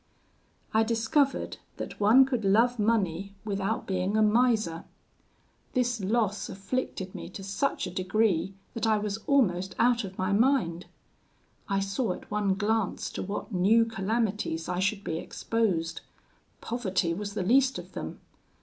"I discovered that one could love money without being a miser. This loss afflicted me to such a degree that I was almost out of my mind. I saw at one glance to what new calamities I should be exposed: poverty was the least of them.